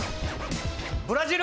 ブラジル！